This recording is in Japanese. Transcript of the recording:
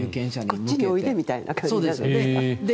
こっちにおいでみたいな感じなので。